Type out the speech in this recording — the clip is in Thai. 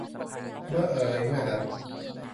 เมื่อเอยเมื่อนั้น